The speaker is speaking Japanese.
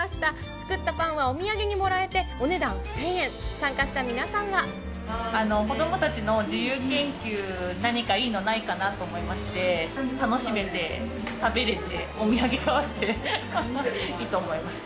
作ったパンはお土産にもらえてお値段１０００円、参加した皆さん子どもたちの自由研究、何かいいのないかなと思いまして、楽しめて、食べれて、お土産になっていいと思います。